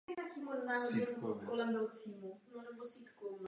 Během vojenské základní služby hrál v Dukle Jihlava.